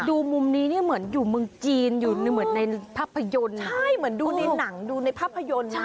ดูมุมนี้เนี่ยเหมือนอยู่เมืองจีนอยู่เหมือนในภาพยนตร์ใช่เหมือนดูในหนังดูในภาพยนตร์